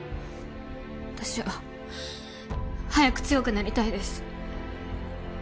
私は早く強くなりたいです。